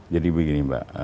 jadi begini mbak